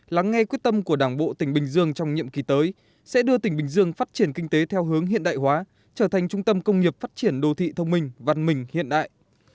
lắng nghe quyết tâm của đảng bộ tỉnh bình dương trong nhiệm kỳ tới sẽ đưa tỉnh bình dương phát triển kinh tế theo hướng hiện đại hóa trở thành trung tâm công nghiệp phát triển đô thị thông minh văn minh hiện đại